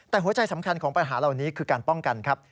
แต่หัวใจสำคัญของปัญหาเหล่านี้คือการป้องกันครับ